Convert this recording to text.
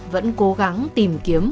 vẫn cố gắng tìm kiếm